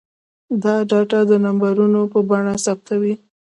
دا ډاټا د نمبرونو په بڼه ثبتوي.